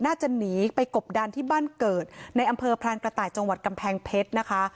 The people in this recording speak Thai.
น่าจะหนีไปกบดานที่บ้านเกิดในอำเภอพรานกระต่ายจังหวัดกำแพงเพชรนะคะ